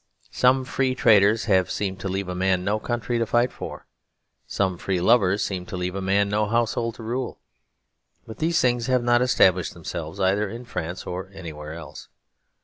Some Free Traders have seemed to leave a man no country to fight for; some Free Lovers seem to leave a man no household to rule. But these things have not established themselves either in France or anywhere else.